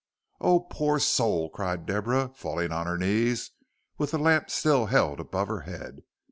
"Oh, poor soul!" cried Deborah, falling on her knees with the lamp still held above her head.